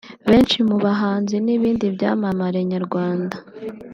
Benshi mu bahanzi n’ibindi byamamare nyarwanda